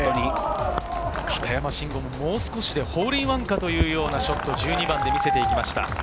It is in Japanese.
片山晋呉ももう少しでホールインワンかというようなショットを１２番で見せていきました。